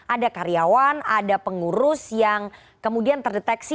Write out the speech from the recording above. ada karyawan ada pengurus yang kemudian terdeteksi